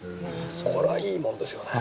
これはいいもんですよね。